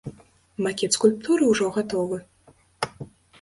Макет скульптуры ўжо гатовы.